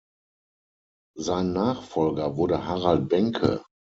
Sein Nachfolger wurde Harald Benke.